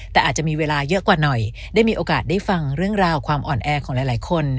แต่อาจจะมีเวลาเยอะกว่าหน่อยได้มีโอกาสได้ฟังเรื่องราวความอ่อนแอของหลายคน